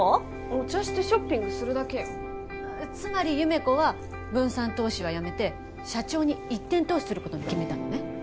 お茶してショッピングするだけよつまり優芽子は分散投資はやめて社長に一点投資することに決めたのね